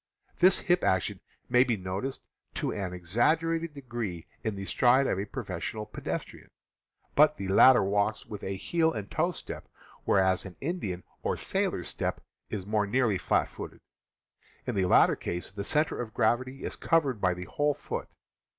This hip 179 180 CAMPING AND WOODCRAFT action may be noticed to an exaggerated degree in the stride of a professional pedestrian; but the latter walks with a heel and toe step, whereas an Indian's or sailor's step is more nearly flat footed. In the latter case the center of gravity is covered by the whole foot.